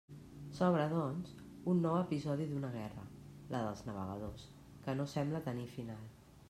S'obre, doncs, un nou episodi d'una guerra, la dels navegadors, que no sembla tenir final.